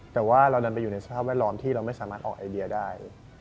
แต่ว่าเราดันไปอยู่ในสภาพแวดล้อมที่เราไม่สามารถออกไอเดียได้